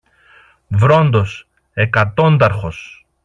Βρόντος, εκατόνταρχος.